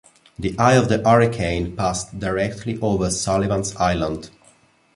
The eye of the hurricane passed directly over Sullivan's Island.